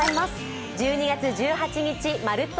１２月１８日「まるっと！